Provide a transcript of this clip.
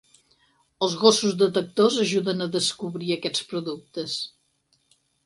Els gossos detectors ajuden a descobrir aquests productes.